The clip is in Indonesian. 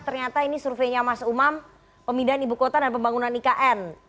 ternyata ini surveinya mas umam pemindahan ibu kota dan pembangunan ikn